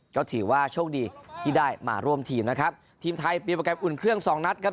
ก็ถือว่าโชคดีที่ได้มาร่วมทีมนะครับทีมไทยมีโปรแกรมอุ่นเครื่องสองนัดครับ